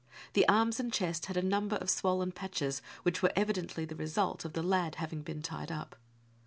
The arms and chest had a number of swollen patches, which were evidently the result of the lad having been tied up.